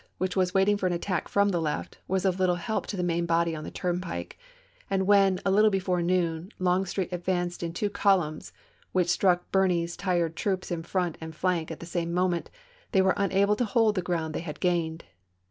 whicli was Waiting for an attack from the left, was of little help to the main body on the turnpike ; and when, a little before noon, Longstreet ad vanced in two columns, which struck Birney's tired troops in front and flank at the same moment, they were unable to hold the gi'ound they had gained.